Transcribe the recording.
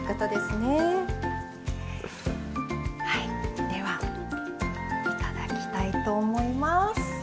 はいではいただきたいと思います。